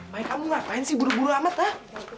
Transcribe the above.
main kamu ngapain sih buru buru amat ah